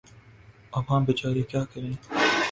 عوام بیچارے کیا کریں۔